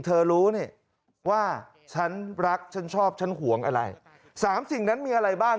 เธอรู้นี่ว่าฉันรักฉันชอบฉันห่วงอะไรสามสิ่งนั้นมีอะไรบ้าง